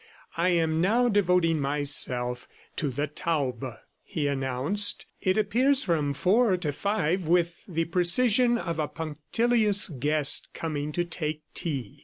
"I am now devoting myself to the taube," he announced. "It appears from four to five with the precision a punctilious guest coming to take tea."